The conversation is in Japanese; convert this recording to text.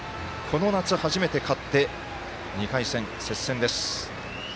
この夏、初めて勝って２回戦、接戦です。